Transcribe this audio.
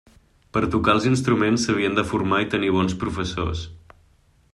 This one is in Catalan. Per tocar els instruments s'havien de formar i tenir bons professors.